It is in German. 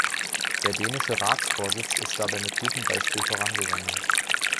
Der dänische Ratsvorsitz ist dabei mit gutem Beispiel vorangegangen.